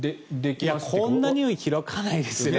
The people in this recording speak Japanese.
こんなには開かないですね。